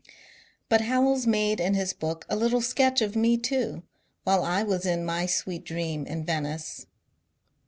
But Howells made in his book a little sketch of me, too, while I was in my sweet dream in Venice.